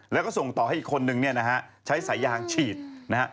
แล้วก็ส่งต่อให้อีกคนนึงเนี่ยนะฮะใช้สายยางฉีดนะฮะ